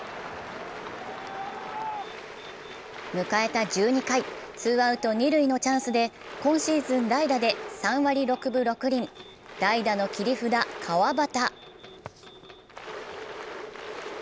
迎えた１２回、ツーアウト二塁のチャンスで今シーズン代打で３割６分６厘、代打の切り札・川端。